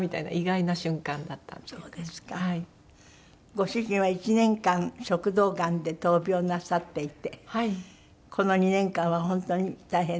ご主人は１年間食道がんで闘病なさっていてこの２年間は本当に大変だった？